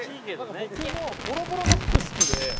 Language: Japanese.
僕もボロボロの服好きで。